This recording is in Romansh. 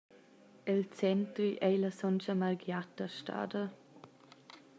El center ei la Sontga Margriata stada.